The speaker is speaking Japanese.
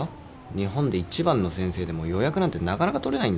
日本で一番の先生で予約なんてなかなかとれないんだから。